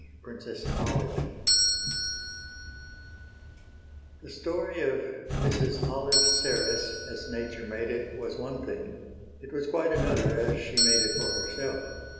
PRINCESS OLIVE The story of Mrs. Olive Serres, as nature made it, was one thing; it was quite another as she made it for herself.